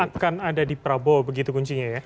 akan ada di prabowo begitu kuncinya ya